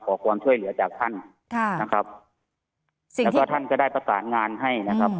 ขอความช่วยเหลือจากท่านค่ะนะครับแล้วก็ท่านก็ได้ประสานงานให้นะครับ